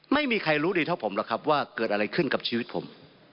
ไม่มีใครรู้ดีเท่าผมหรอกครับว่าเกิดอะไรขึ้นกับชีวิตผม